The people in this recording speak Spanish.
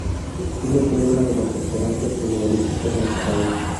Sigue siendo una de las esperanzas futbolísticas en su país.